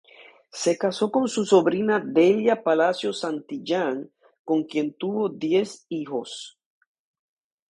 Se casó con su sobrina Delia Palacio Santillán, con quien tuvo diez hijos.